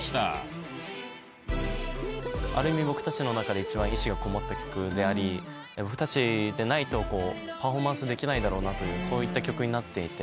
ある意味僕たちの中で一番意志がこもった曲であり僕たちでないとパフォーマンスできないだろうというそういった曲になっていて。